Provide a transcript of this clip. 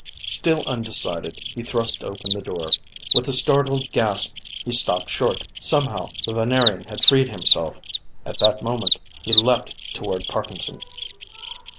Still undecided, he thrust open the door. With a startled gasp he stopped short. Somehow the Venerian had freed himself; at that moment he leaped toward Parkinson.